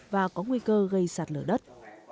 và có nguy cơ gây sạt lở đất